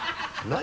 何？